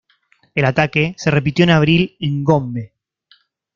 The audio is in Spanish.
El ataque se repitió en abril en Gombe.